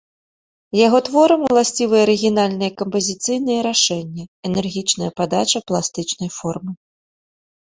Яго творам уласцівыя арыгінальныя кампазіцыйныя рашэнні, энергічная падача пластычнай формы.